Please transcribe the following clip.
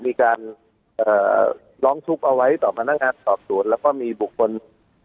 มีการร้องทุกข์เอาไว้ต่อพนักงานสอบสวนแล้วก็มีบุคคล